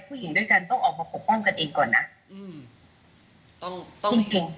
ผู้หญิงด้วยกันต้องออกมาปกป้องกันเองก่อนนะ